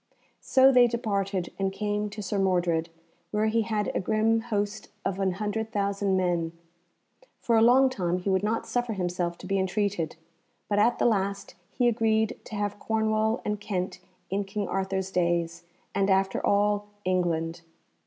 So they departed, and came to Sir Mordred, where he had a grim host of an hundred thousand men. For a long time he would not suffer himself to be entreated, but at the last he agreed to have Cornwall and Kent in King Arthur's days, and after all England.